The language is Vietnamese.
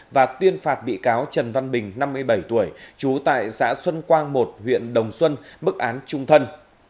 và tuyên phạt bị cáo trần văn bình năm mươi bảy tuổi trú tại xã xuân quang một huyện đồng xuân mức án trung thân